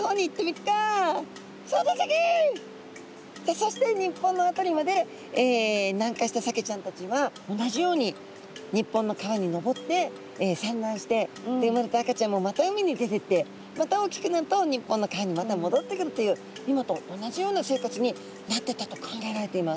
そして日本の辺りまで南下したサケちゃんたちは同じように日本の川に上って産卵してで生まれた赤ちゃんもまた海に出てってまた大きくなると日本の川にまたもどってくるという今と同じような生活になってったと考えられています。